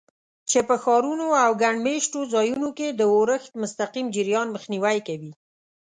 چې په ښارونو او ګڼ مېشتو ځایونو کې د اورښت مستقیم جریان مخنیوی کوي.